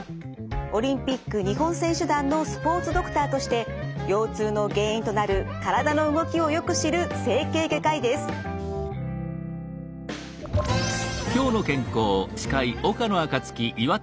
オリンピック日本選手団のスポーツドクターとして腰痛の原因となる体の動きをよく知る整形外科医です。